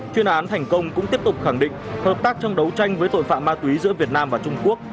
chuyên án thành công cũng tiếp tục khẳng định hợp tác trong đấu tranh với tội phạm ma túy giữa việt nam và trung quốc